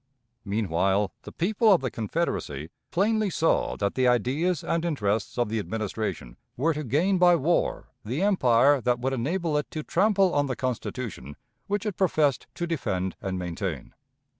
Meanwhile, the people of the Confederacy plainly saw that the ideas and interests of the Administration were to gain by war the empire that would enable it to trample on the Constitution which it professed to defend and maintain.